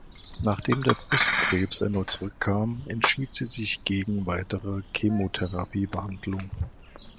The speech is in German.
Nachdem der Brustkrebs erneut zurückkam, entschied sie sich gegen weitere Chemotherapiebehandlung.